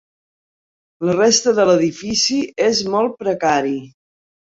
La resta de l'edifici és molt precari.